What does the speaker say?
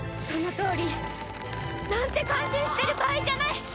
そのとおり。なんて感心してる場合じゃない！